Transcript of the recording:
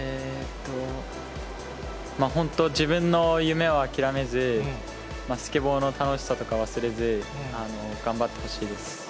本当、自分の夢を諦めず、スケボーの楽しさとかを忘れず、頑張ってほしいです。